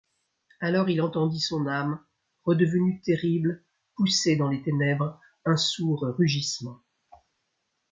Alors il entendit son âme, redevenue terrible, pousser dans les ténèbres un sourd rugissement.